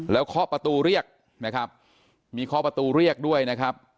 แล้วเคาะประตูเรียกนะครับมีเคาะประตูเรียกด้วยนะครับ